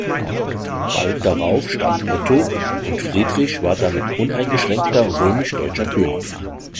Bald darauf starb Otto, und Friedrich war damit uneingeschränkter römisch-deutscher König.